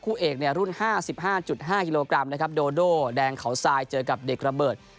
เอกเนี่ยรุ่น๕๕กิโลกรัมนะครับโดโดแดงเขาทรายเจอกับเด็กระเบิด